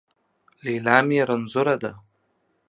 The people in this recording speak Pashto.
ليلا مې رنځونه ده